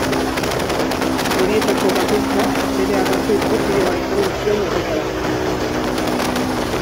Horietako bakoitzak bere arrazoi propioa izango zuen horretarako.